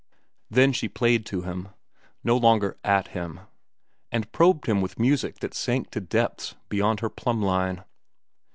Then she played to him—no longer at him—and probed him with music that sank to depths beyond her plumb line.